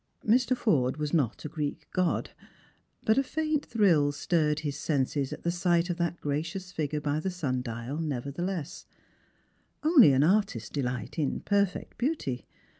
Mr. Forde was not a Greek god, but a faint thrill stirred his senses at the sight of that gracious figure by the sun dial, never theless; only an artist's delight in perfect beauty.